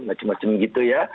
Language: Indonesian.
macem macem gitu ya